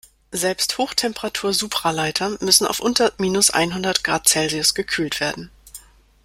Selbst Hochtemperatur-Supraleiter müssen auf unter minus einhundert Grad Celsius gekühlt werden.